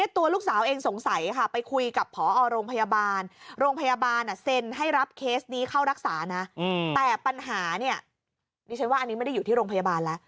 แต่ปัญหาเนี่ยนี่ฉันว่าอันนี้ไม่ได้อยู่ที่ลงพยาบาลนะ